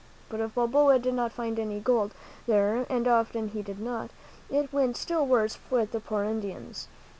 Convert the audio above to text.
But if Balboa did not find any gold there, and often he did not, it went still worse with the poor Indians.